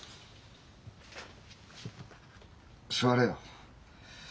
座れよ。